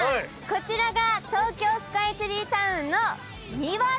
こちらが東京スカイツリータウンの庭です。